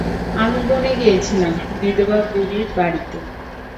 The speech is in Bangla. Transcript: আমি বনে গিয়েছিলাম, বিধবা বুড়ির বাড়িতে।